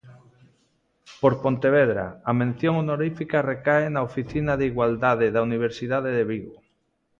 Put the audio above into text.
Por Pontevedra, a mención honorífica recae na Oficina de Igualdade da Universidade de Vigo.